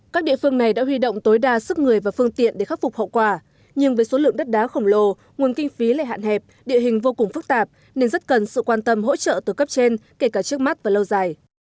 các địa phương này đã huy động tối đa sức người và phương tiện để khắc phục hậu quả nhưng với số lượng đất đá khổng lồ nguồn kinh phí lệ hạn hẹp địa hình vô cùng phức tạp nên rất cần sự quan tâm hỗ trợ từ cấp trên kể cả trước mắt và lâu dài